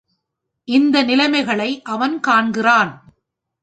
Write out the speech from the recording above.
இந்த நிலைமைகளை அவன் காண்கிறான்.